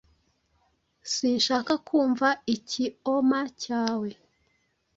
Sinshaka kumva ikioma cyawe.